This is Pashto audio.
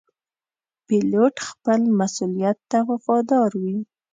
پیلوټ خپل مسؤولیت ته وفادار وي.